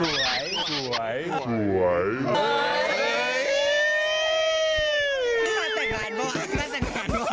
พี่สารสังการณ์หน่วง